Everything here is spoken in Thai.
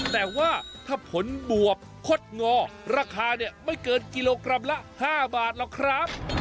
แต่ว่าถ้าผลบวบคดงอราคาเนี่ยไม่เกินกิโลกรัมละ๕บาทหรอกครับ